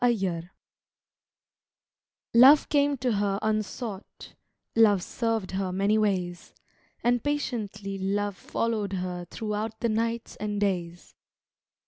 KISMET Love came to her unsought, Love served her many ways, And patiently Love followed her Throughout the nights and days.